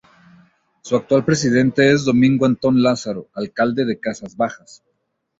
Su actual presidente es Domingo Antón Lázaro, alcalde de Casas Bajas.